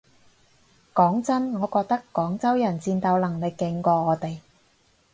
講真我覺得廣州人戰鬥能力勁過我哋